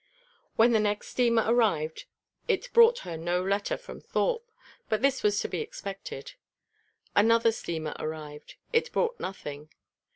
When the next steamer arrived it brought her no letter from Thorpe. But this was to be expected. Another steamer arrived; it brought nothing.